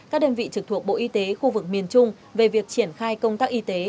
các đơn vị trực thuộc bộ y tế khu vực miền trung về việc triển khai công tác y tế